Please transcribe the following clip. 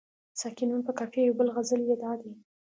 د ساکن نون په قافیه یو بل غزل یې دادی.